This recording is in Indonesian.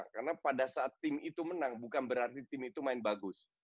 karena pada saat tim itu menang bukan berarti tim itu main bagus